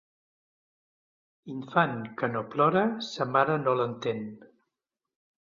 Infant que no plora, sa mare no l'entén.